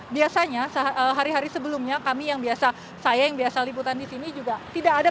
biasanya hari hari sebelumnya kami yang biasa saya yang biasa liputan di sini juga tidak ada